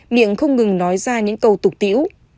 miệng không ngừng nói ra những câu tục tiễu